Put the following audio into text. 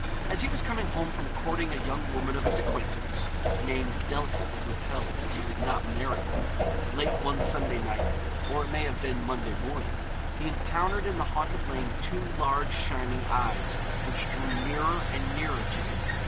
As he was coming home from courting a young woman of his acquaintance (name delicately withheld, as he did not marry her) late one Sunday night or it may have been Monday morning he encountered in the haunted lane two large shining eyes, which drew nearer and nearer to him.